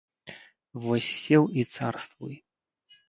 Вось сеў і царствуй.